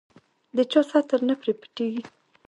د چا ستر نه پرې پټېږي.